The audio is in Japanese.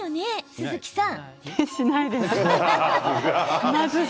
鈴木さん。